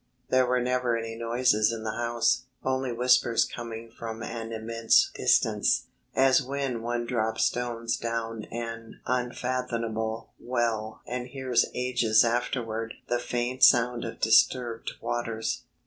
There were never any noises in the house, only whispers coming from an immense distance as when one drops stones down an unfathomable well and hears ages afterward the faint sound of disturbed waters.